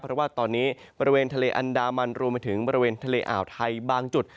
เพราะว่าตอนนี้บริเวณทะเลอันดามันรวมไปถึงบริเวณทะเลอ่าวไทยบางจุด